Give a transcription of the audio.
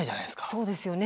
そうですよね。